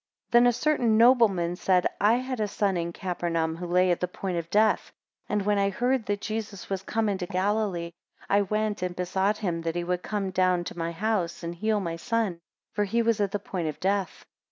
38 Then a certain nobleman said, I had a son in Capernaum, who lay at the point of death; and when I heard that Jesus was come into Galilee, I went and besought him that he would come down to my house, and heal my son, for he was at the point of death.